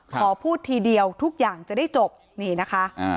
ขอพูดทีเดียวทุกอย่างจะได้จบนี่นะคะ